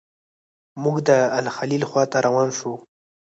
موږ د الخلیل خواته روان شوو.